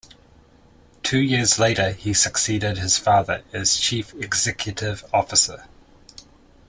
Two years later he succeeded his father as chief executive officer.